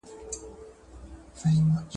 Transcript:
• پاړوگر د مار له لاسه مري.